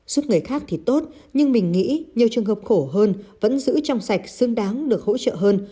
suốt người khác thì tốt nhưng mình nghĩ nhiều trường hợp khổ hơn vẫn giữ trong sạch xứng đáng được hỗ trợ hơn